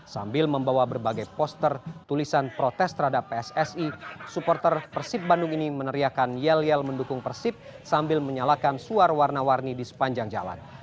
sambil membawa berbagai poster tulisan protes terhadap pssi supporter persib bandung ini meneriakan yel yel mendukung persib sambil menyalakan suar warna warni di sepanjang jalan